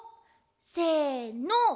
せの！